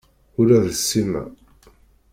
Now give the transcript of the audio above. Ula d Sima.